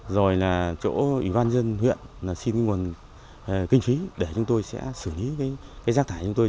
rồi là chỗ ủy ban dân huyện là xin nguồn kinh phí để chúng tôi sẽ xử lý cái rác thải chúng tôi